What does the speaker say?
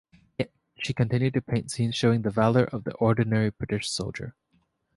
Yet she continued to paint scenes showing the valour of the ordinary British soldier.